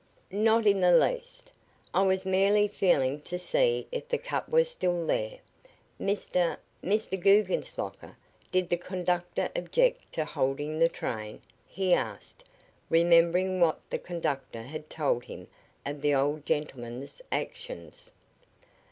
"Not in the least. I was merely feeling to see if the cut were still there. Mr Mr. Guggenslocker, did the conductor object to holding the train?" he asked, remembering what the conductor had told him of the old gentleman's actions.